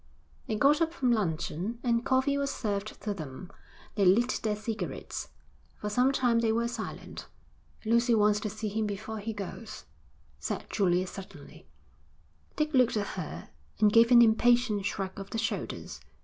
They got up from luncheon, and coffee was served to them. They lit their cigarettes. For some time they were silent. 'Lucy wants to see him before he goes,' said Julia suddenly. Dick looked at her and gave an impatient shrug of the shoulders.